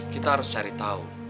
kita harus cari tahu